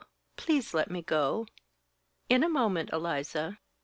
Please let me go!" "In a moment, Eliza."